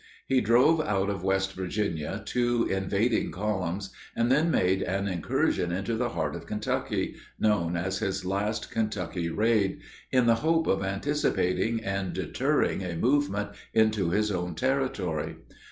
He drove out of West Virginia two invading columns, and then made an incursion into the heart of Kentucky known as his last Kentucky raid in the hope of anticipating and deterring a movement into his own territory.